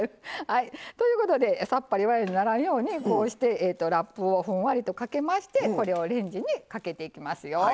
ということでさっぱりわやにならんようにこうしてラップをふんわりとかけましてこれをレンジにかけていきますよ。